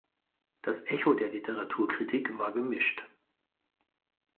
Das Echo der Literaturkritik war gemischt.